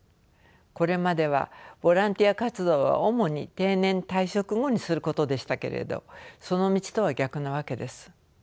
これまではボランティア活動は主に定年退職後にすることでしたけれどその道とは逆なわけです。